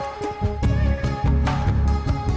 aku ganti lensa dulu